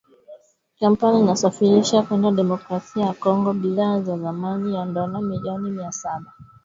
Kampala inasafirisha kwenda Demokrasia ya Kongo bidhaa za thamani ya dola milioni mia saba arobaini na tatu